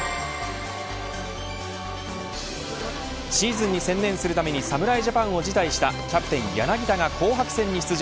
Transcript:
シーズンに専念するために侍ジャパンを辞退したキャプテン柳田が紅白戦に出場。